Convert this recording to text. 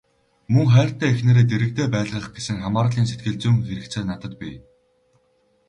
Мөн хайртай эхнэрээ дэргэдээ байлгах гэсэн хамаарлын сэтгэлзүйн хэрэгцээ надад бий.